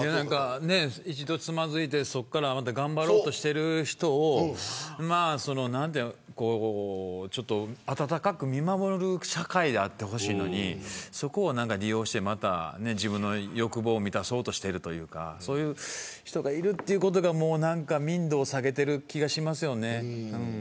一度つまずいてそこから頑張ろうとしてる人を温かく見守る社会であってほしいのにそこを利用して自分の欲望を満たそうとしてるというかそういう人がいるということが民度を下げてる気がしますよね。